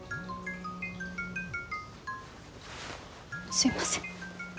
すいません。